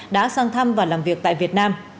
đã sang thăm và làm việc tại việt nam